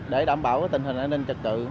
để đảm bảo tình hình an ninh trật tự